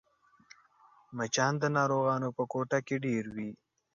مچان د ناروغانو په کوټه کې ډېر وي